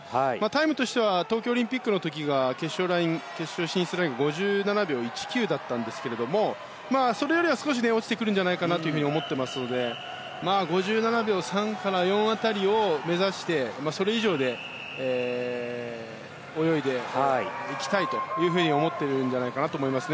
タイムとしては東京オリンピックの時が決勝進出ライン５７秒１９だったんですがそれよりは少し落ちてくるんじゃないかなと思っていますので５７秒３から４辺りを目指してそれ以上で泳いでいきたいと思っているんじゃないかなと思います。